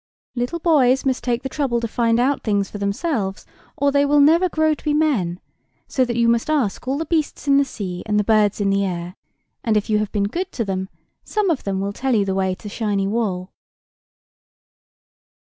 "Little boys must take the trouble to find out things for themselves, or they will never grow to be men; so that you must ask all the beasts in the sea and the birds in the air, and if you have been good to them, some of them will tell you the way to Shiny Wall."